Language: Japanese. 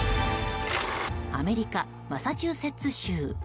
アメリカ・マサチューセッツ州。